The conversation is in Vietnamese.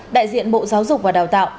đại diện bộ giáo dục và đào tạo